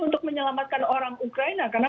untuk menyelamatkan orang ukraina karena